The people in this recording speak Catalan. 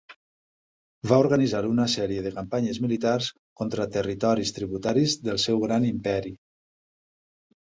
Va organitzar una sèrie de campanyes militars contra territoris tributaris del seu gran imperi.